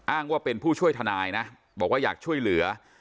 อ้างว่าเป็นผู้ช่วยทนายนะบอกว่าอยากช่วยเหลือ